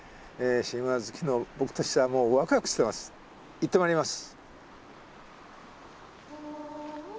いってまいります。